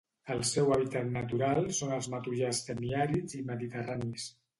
El seu hàbitat natural són els matollars semiàrids i mediterranis.